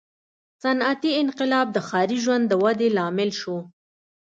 • صنعتي انقلاب د ښاري ژوند د ودې لامل شو.